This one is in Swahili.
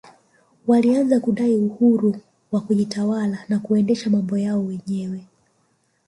walianza kudai uhuru wa kujitawala na kuendesha mambo yao wenyewe